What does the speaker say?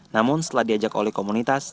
namun setelah diajak oleh komunitas